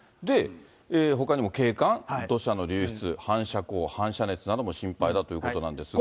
ほかにも景観、土砂の流出、反射光、反射熱なども心配だということなんですが。